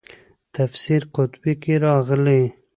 تفسیر قرطبي کې راغلي.